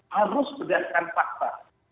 harus berdasarkan fakta